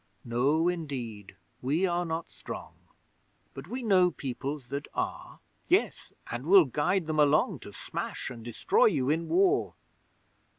No indeed! We are not strong, But we know Peoples that are. Yes, and we'll guide them along, To smash and destroy you in War!